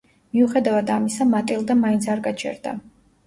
მიუხედავად ამისა, მატილდა მაინც არ გაჩერდა.